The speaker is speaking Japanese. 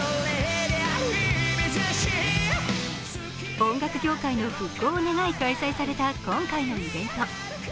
音楽業界の復興を願い開催された今回のイベント。